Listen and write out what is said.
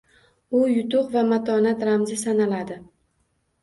U yutuq va matonat ramzi sanaladi.